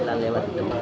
jam sembilan lewat itu